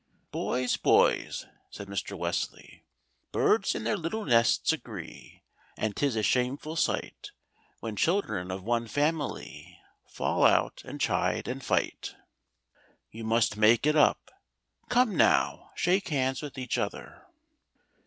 "Boys! boys!" said Mr. Wesley: "'Birds in their little nests agree, And 'tis a shameful sight, When children of one family Fall out, and chide, and fight!' You must make it up. Come now, shake hands with each other."